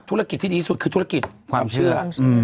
ธุรกิจที่ดีที่สุดคือธุรกิจความเชื่อ